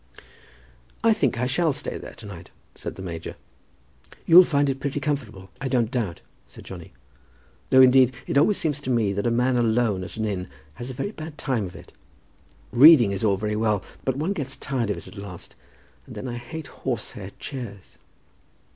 "I think I shall stay there to night," said the major. "You'll find it pretty comfortable, I don't doubt," said Johnny. "Though, indeed, it always seems to me that a man alone at an inn has a very bad time of it. Reading is all very well, but one gets tired of it at last. And then I hate horse hair chairs."